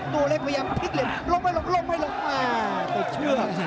ตัวเล็กพยายามพลิกเหลี่ยมล้มให้ลง